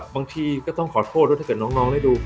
บางทีก็ต้องขอโทษว่าถ้าเกิดน้องได้ดู